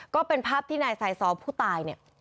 ก็เป็นภาพที่นายไซซอฟผู้ตายเนี่ย